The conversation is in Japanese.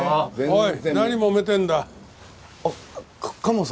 おい。